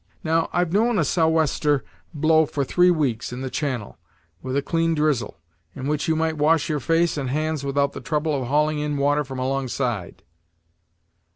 Now, I've known a sow wester blow for three weeks, in the channel, with a clean drizzle, in which you might wash your face and hands without the trouble of hauling in water from alongside."